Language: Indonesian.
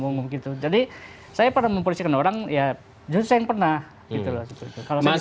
ngomong gitu jadi saya pernah memposisikan orang ya justru saya yang pernah gitu loh kalau masih